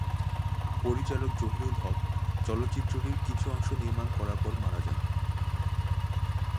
পরিচালক জহিরুল হক চলচ্চিত্রটির কিছু অংশ নির্মাণ করার পর মারা যান।